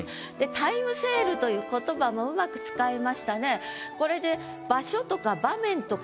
「タイムセール」という言葉も上手く使いましたね。